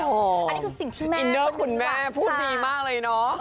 อันนี้คือสิ่งที่แม่อินเดอร์คุณแม่พูดดีมากเลยเนาะ